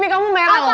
beri lihat aku lapar